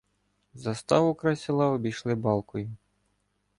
Заставу край села обійшли балкою.